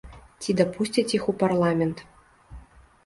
Ці дапусцяць іх у парламент.